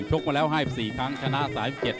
ชกมาแล้ว๒๔ครั้งชนะ๓๗ครั้ง